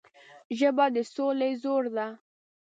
ژبه د سولې زور ده